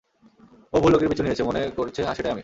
ও ভুল লোকের পিছু নিয়েছে, মনে করছে সেটাই আমি।